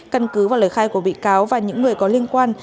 căn cứ vào lời khai của bị cáo và những người có liên quan